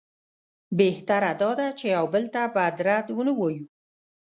بهتره ده چې یو بل ته بد رد ونه وایو.